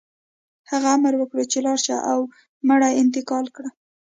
هغه امر وکړ چې لاړ شه او مړي انتقال کړه